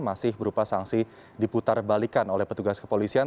masih berupa sanksi diputar balikan oleh petugas kepolisian